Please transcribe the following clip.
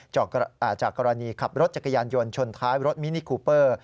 จากกรณีขับรถจักรยานยนต์ชนท้ายรถมินิคูเปอร์